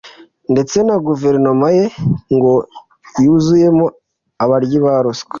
ndetse na guverinoma ye ngo yuzuyemo abaryi ba ruswa